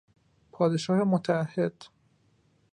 پادشاه متعهد